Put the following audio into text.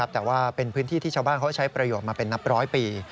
แต่ว่าเป็นพื้นที่ที่ชาวบ้านเขาใช้ประโยชน์มาเป็นนับร้อยปี